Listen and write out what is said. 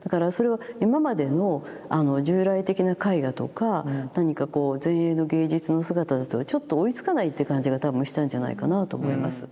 だからそれは今までの従来的な絵画とか何かこう前衛の芸術の姿だとちょっと追いつかないって感じが多分したんじゃないかなと思います。